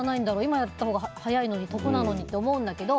今やったほうが早いのに得なのに、って思うんだけど。